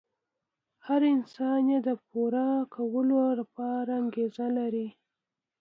هر انسان يې د پوره کولو لپاره انګېزه لري.